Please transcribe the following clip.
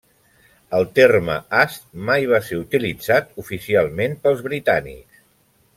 El terme as mai va ser utilitzat oficialment pels britànics.